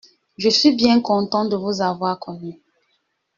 Je suis bien content de vous avoir connus.